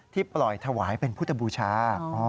ปล่อยถวายเป็นพุทธบูชา